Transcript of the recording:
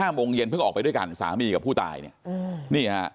โมงเย็นเพิ่งออกไปด้วยกันสามีกับผู้ตายเนี่ยนี่ฮะ